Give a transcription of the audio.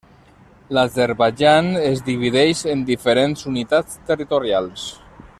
L'Azerbaidjan es divideix en diferents unitats territorials.